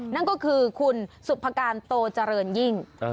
นั่นก็คือคุณสุภการโตเจริญยิ่ง